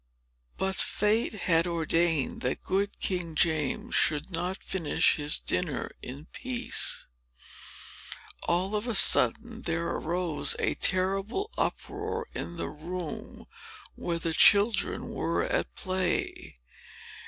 But fate had ordained that good King James should not finish his dinner in peace. All of a sudden, there arose a terrible uproar in the room where the children were at play.